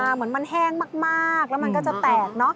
เหมือนมันแห้งมากแล้วมันก็จะแตกเนอะ